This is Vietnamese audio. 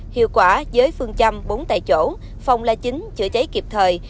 hiệu quả với phương châm bốn tại chỗ phòng là chính chữa cháy kịp thời